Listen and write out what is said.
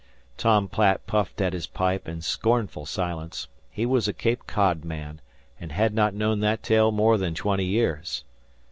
Tom Platt puffed at his pipe in scornful silence: he was a Cape Cod man, and had not known that tale more than twenty years.